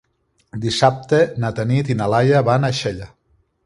Dissabte na Tanit i na Laia van a Xella.